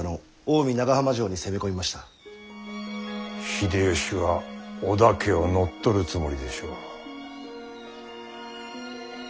秀吉は織田家を乗っ取るつもりでしょう。